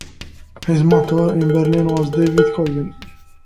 His mentor in Berlin was David Koigen.